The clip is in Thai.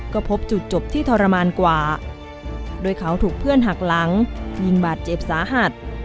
ก็พบจุดจบที่ทรมานกว่าโดยเขาถูกเพื่อนหักหลังยิงบาดเจ็บสาหัส